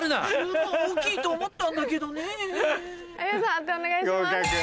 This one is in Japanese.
判定お願いします。